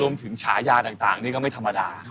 รวมถึงฉายาต่างก็ไม่ธรรมดา